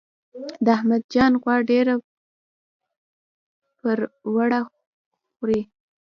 د احمد جان غوا ډیره پروړه خوري.